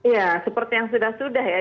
ya seperti yang sudah sudah ya